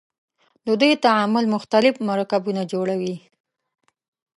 د دوی تعامل مختلف مرکبونه جوړوي.